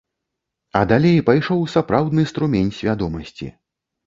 А далей пайшоў сапраўдны струмень свядомасці.